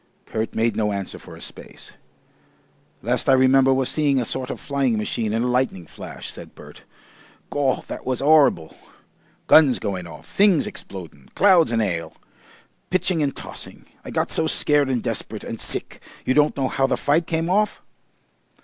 Kurt made no answer for a space. "Last I remember was seeing a sort of flying machine in a lightning flash," said Bert. "Gaw! that was 'orrible. Guns going off! Things explodin'! Clouds and 'ail. Pitching and tossing. I got so scared and desperate and sick. You don't know how the fight came off?"